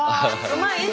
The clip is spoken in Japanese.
うまい？